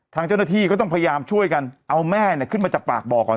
ทางเจ้าหน้าที่ก็ต้องพยายามช่วยกันเอาแม่ขึ้นมาจากปากบ่อก่อน